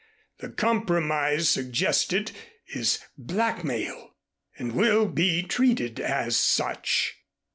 The compromise suggested is blackmail and will be treated as such."